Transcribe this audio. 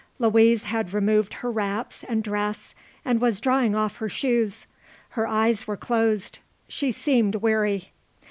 Louise had removed her wraps and dress and was drawing off her shoes. Her eyes were closed. She seemed weary.